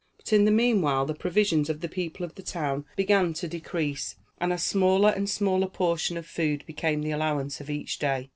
But in the meanwhile the provisions of the people of the town began to decrease, and a smaller and smaller portion of food became the allowance of each day.